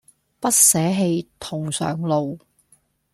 不捨棄同上路